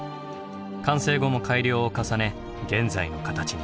完成後も改良を重ね現在の形に。